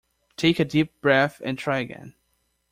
Take a deep breath and try again.